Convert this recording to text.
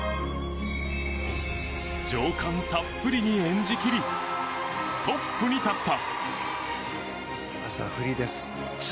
情感たっぷりに演じ切りトップに立った。